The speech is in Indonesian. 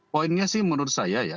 poinnya sih menurut saya ya